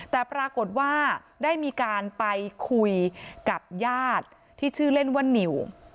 แต่ปรากฏว่าได้มีการไปคุยกับญาติที่ชื่อเล่นว่านิว